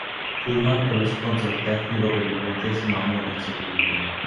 Puma è lo sponsor tecnico per il ventesimo anno consecutivo.